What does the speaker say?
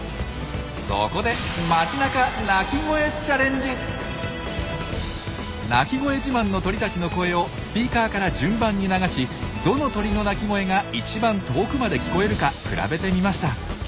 そこで鳴き声自慢の鳥たちの声をスピーカーから順番に流しどの鳥の鳴き声が一番遠くまで聞こえるか比べてみました。